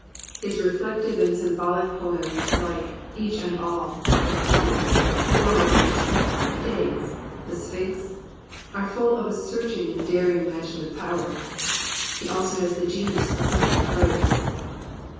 His reflective and symbolic poems, like Each and ALU The Problem, ForerunnerSy Days, The Sphinx, are full of a searching and daring imaginative power. He has also the genius of the perfect phrase.